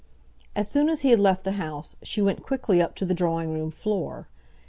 As soon as he had left the house, she went quickly up to the drawing room floor.